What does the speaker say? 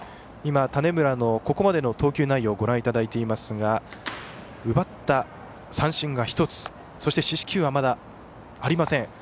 今、種村のここまでの投球内容をご覧いただいていますが奪った三振が１つ四死球はまだありません。